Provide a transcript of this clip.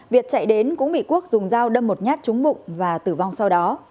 việt chạy đến cũng bị quốc dùng dao đâm một nhát trúng bụng và tử vong sau đó